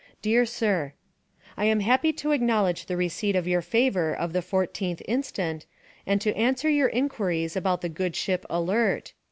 Dear Sir, I am happy to acknowledge the receipt of your favor of the 14th inst., and to answer your inquiries about the good ship Alert.